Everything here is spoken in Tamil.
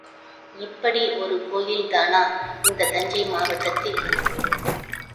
இப்படி ஒரு கோயில்தானா இந்தத் தஞ்சை மாவட்டத்தில்?